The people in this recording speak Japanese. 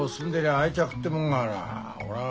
愛着ってもんがあらぁ。